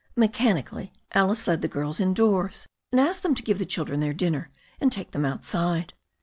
Mechanically Alice led the girls indoors and asked them to give the children their dinner and take them outside.